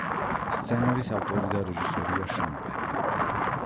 სცენარის ავტორი და რეჟისორია შონ პენი.